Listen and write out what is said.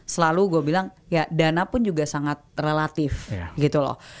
selalu gue bilang ya dana pun juga sangat relatif gitu loh